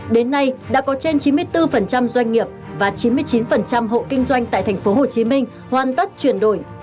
đến nay đã có trên chín mươi bốn doanh nghiệp và chín mươi chín hộ kinh doanh tại thành phố hồ chí minh hoàn tất chuyển đổi